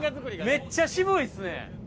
めっちゃ渋いっすね。